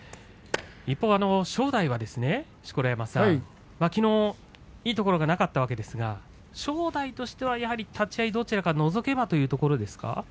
一方、正代は、錣山さんきのういいところがなかったんですが立ち合いどちらかのぞけばというところですか。